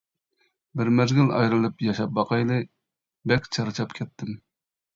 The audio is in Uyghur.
-بىر مەزگىل ئايرىلىپ ياشاپ باقايلى، بەك چارچاپ كەتتىم.